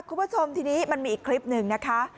คุณผู้ชมทีนี้มันมีอีกคลิปหนึ่งนะคะ